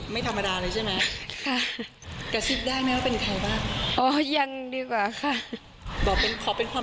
ไม่ธรรมดาเลยใช่ไหมคะค่ะ